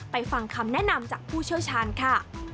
ฟังคำแนะนำจากผู้เชี่ยวชาญค่ะ